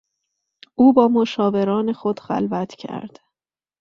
او با مشاوران خود خلوت کرد.